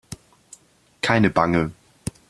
Keine Bange!